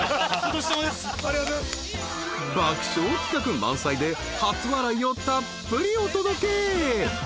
［爆笑企画満載で初笑いをたっぷりお届け］